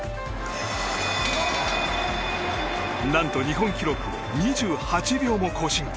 何と日本記録を２８秒も更新。